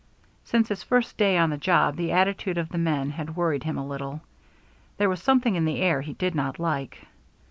Since his first day on the job the attitude of the men had worried him a little. There was something in the air he did not like.